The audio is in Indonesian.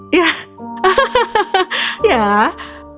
dan memuka pintu hijau itu